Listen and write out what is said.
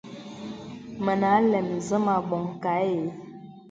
Mə àlɛm zé mə̀ àbɔŋ kâ ɛ.